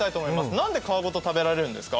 なんで皮ごと食べられるんですか？